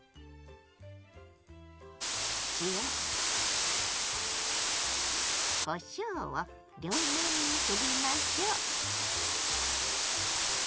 塩こしょうを両面にふりましょう。